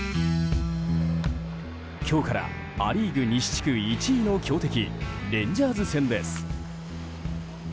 今日からア・リーグ西地区１位の強敵、レンジャーズ戦です。